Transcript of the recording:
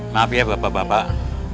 maaf ya bapak bapak